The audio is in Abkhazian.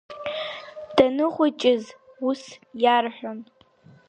Даныхәыҷыз ус иарҳәон.